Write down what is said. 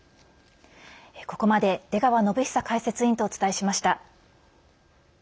ここまで出川展恒解説委員とお伝えしました。